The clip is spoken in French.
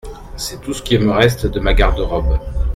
C’est tout ce qui me reste de ma garde-robe.